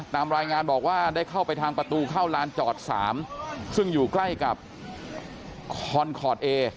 ตามรายงานบอกว่าได้เข้าไปทางประตูเข้าลานจอด๓ซึ่งอยู่ใกล้กับคอนคอร์ดเอ